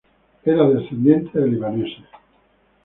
Era descendiente de libaneses.